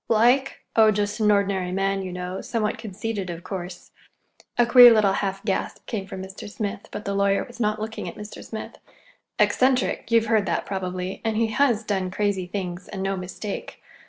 "Like? Oh, just an ordinary man, you know,—somewhat conceited, of course." (A queer little half gasp came from Mr. Smith, but the lawyer was not looking at Mr. Smith.) "Eccentric—you've heard that, probably. And he has done crazy things, and no mistake.